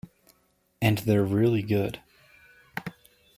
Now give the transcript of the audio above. And they're really good.